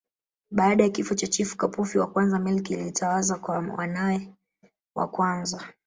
Baada ya kifo cha Chifu Kapufi wa Kwanza milki ilitawazwa kwa mwanae wa kwanza